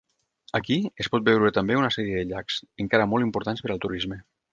Aquí, es pot veure també una sèrie de llacs, encara molt importants per al turisme.